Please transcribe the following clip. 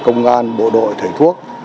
công an bộ đội thể thuốc